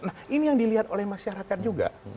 nah ini yang dilihat oleh masyarakat juga